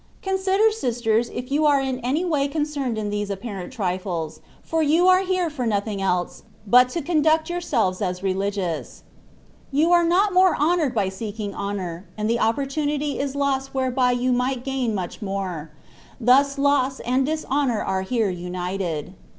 59 Consider, sisters, if you are in any way con cerned in these apparent trifles, for you are here for nothing else [but to conduct yourselves as Re ligious] .* You are not more honoured by seeking honour, and the opportunity is lost whereby you might gain much more; thus loss and dishonour are here united.